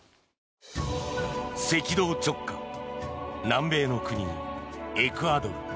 赤道直下南米の国エクアドル。